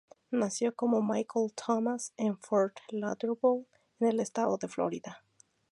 Nació como "Michael Thomas" en Fort Lauderdale, en el estado de Florida.